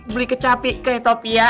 beli kecapi ke etopia